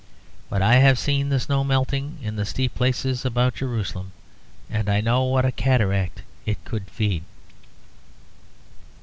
But I have seen the snow melting in the steep places about Jerusalem; and I know what a cataract it could feed.